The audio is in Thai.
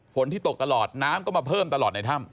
ที่ตกตลอดน้ำก็มาเพิ่มตลอดในถ้ำ